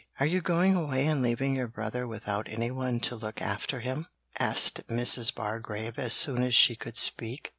'Are you going away and leaving your brother without anyone to look after him?' asked Mrs. Bargrave as soon as she could speak.